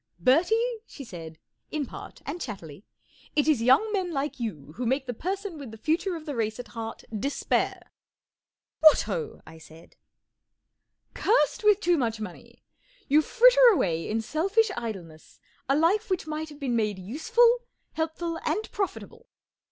44 Bertie," she said—in part and chattily— 44 it is young men like you who make the person with the future of the race at heart despair !" 44 What ho !" I said. 44 Cursed with too much money, you fritter away in selfish idleness a life which might have been made useful, helpful, and profitable.